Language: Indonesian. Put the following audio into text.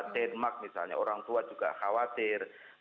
denmark misalnya orang tua juga khawatir